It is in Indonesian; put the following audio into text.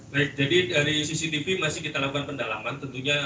baik jadi dari cctv masih kita lakukan pendalaman tentunya